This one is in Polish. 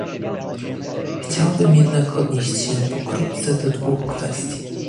Chciałabym jednak odnieść się pokrótce do dwóch kwestii